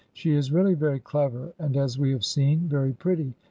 She is really very clever, and, as we have seen, very pretty.